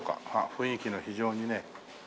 雰囲気の非常にね。